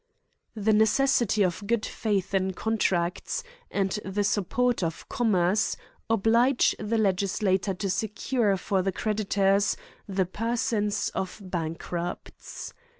TFIE necessity of good faith in contracts, and the support of commerce, oblige the legislator to secure for the creditors the persons of bankrupts.